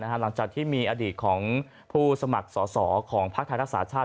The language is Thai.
หลังจากที่มีอดีตของผู้สมัครสอสอของภาคภาคศาสตร์ชาติ